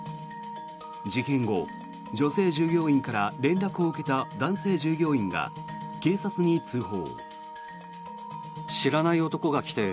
事件後女性従業員から連絡を受けた男性従業員が警察に通報。